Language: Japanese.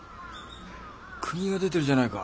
釘が出てるじゃないか。